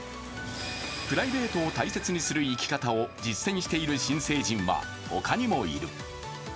プライベートを大切にする生き方を実践している若者はほかにもいる。